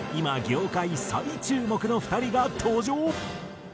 業界最注目の２人が登場！